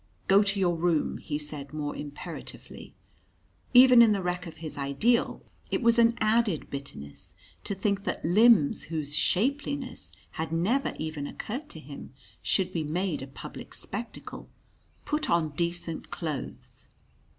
"Go to your room," he said more imperatively. Even in the wreck of his ideal, it was an added bitterness to think that limbs whose shapeliness had never even occurred to him, should be made a public spectacle. "Put on decent clothes."